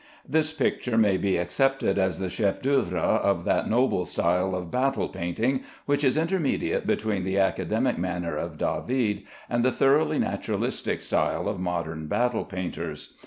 This picture may be accepted as the chef d'œuvre of that noble style of battle painting which is intermediate between the academic manner of David and the thoroughly naturalistic style of modern battle painters.